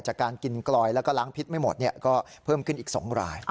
จากการกินกลอยแล้วก็ล้างพิษไม่หมดก็เพิ่มขึ้นอีก๒ราย